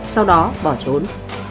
sau đó bỏ trốn